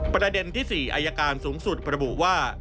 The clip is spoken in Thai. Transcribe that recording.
ประเด็นที่๔อายการสูงสุดระบุว่า